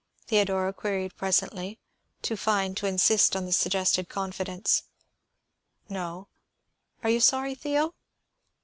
Theodora queried presently, too fine to insist on the suggested confidence. "No. Are you sorry, Theo?"